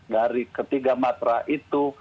dari ketiga matra itu